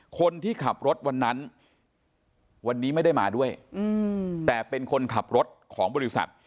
คนที่ขับรถวันนั้นวันนี้ไม่ได้มาด้วยแต่เป็นคนขับรถของบริษัท